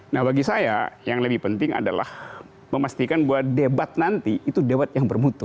nah bagi saya yang lebih penting adalah memastikan bahwa debat nanti itu debat yang bermutu